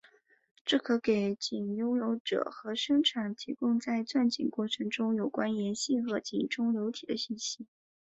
这可给井拥有者和生产者提供在钻井过程中有关岩性和井中流体的信息。